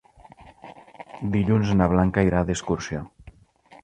Dilluns na Blanca irà d'excursió.